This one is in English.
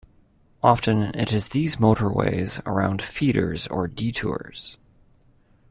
Often it is these motorways around feeders or detours.